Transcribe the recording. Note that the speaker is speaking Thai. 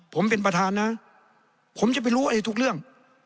ผมเป็นประธานนะผมจะไปรู้ทุกเรื่อง